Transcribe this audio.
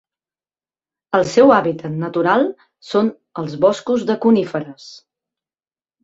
El seu hàbitat natural són els boscos de coníferes.